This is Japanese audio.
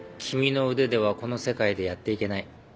君の腕ではこの世界でやっていけない。